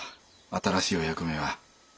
新しいお役目は。